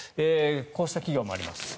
こうした企業もあります。